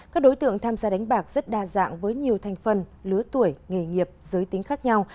các đối tượng tham gia đánh bạc rất đa dạng với nhiều thành phần lứa tuổi nghề nghiệp giới tính khác nhau